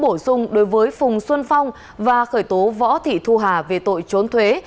vừa khởi tố bổ sung đối với phùng xuân phong và khởi tố võ thị thu hà về tội trốn thuế